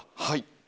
はい。